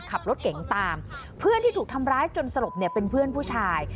ขับรถเก๋งตามเพื่อนที่ถูกทำร้ายจนสลบเนี่ยเป็นเพื่อนผู้ชาย